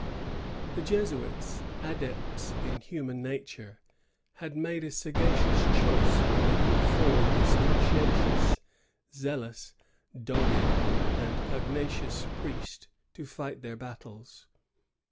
The Jesuits, adepts in human nature, had made a sagacious choice when they put forward this con scientious, zealous, dogged, and pugnacious priest to fight tJieir battles.